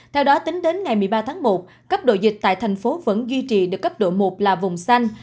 theo đó tính đến ngày một mươi ba tháng một cấp độ dịch tại thành phố vẫn duy trì được cấp độ một là vùng xanh